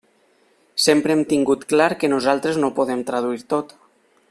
Sempre hem tingut clar que nosaltres no ho podem traduir tot.